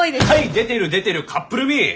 はい出てる出てるカップルみ！